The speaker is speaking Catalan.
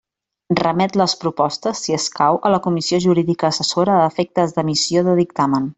Remet les propostes, si escau, a la Comissió Jurídica Assessora a efectes d'emissió de dictamen.